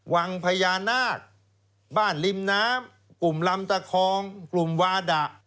วังพญานาคบ้านริมน้ำกลุ่มลำตะคองกลุ่มวาดะ